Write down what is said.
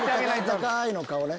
高い高い！の顔ね。